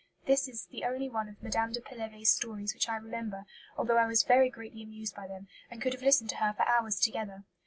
This is the only one of Mme. de Pelevé's stories which I remember, although I was very greatly amused by them, and could have listened to her for hours together.